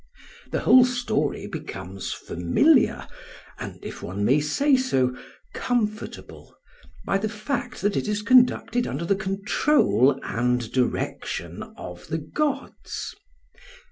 The whole story becomes familiar, and, if one may say so, comfortable, by the fact that it is conducted under the control and direction of the gods.